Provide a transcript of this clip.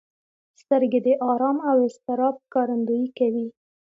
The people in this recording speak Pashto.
سترګې د ارام او اضطراب ښکارندويي کوي